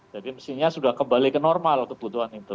jadi mesinnya sudah kembali ke normal kebutuhan itu